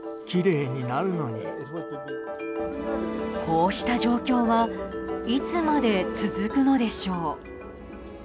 こうした状況はいつまで続くのでしょう。